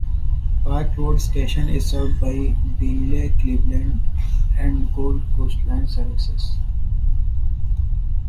Park Road station is served by Beenleigh, Cleveland and Gold Coast line services.